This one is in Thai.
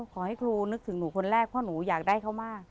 ขอให้ครูนึกถึงหนูคนแรกเพราะหนูอยากได้เขามาก